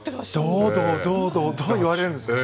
どうどうと言われるんですね。